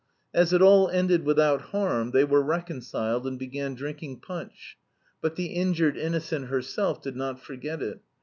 As it all ended without harm, they were reconciled and began drinking punch. But the injured innocent herself did not forget it.